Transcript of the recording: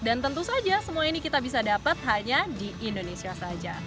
dan tentu saja semua ini kita bisa dapat hanya di indonesia saja